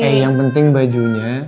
eh yang penting bajunya